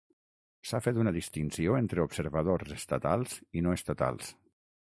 S'ha fet una distinció entre observadors estatals i no estatals.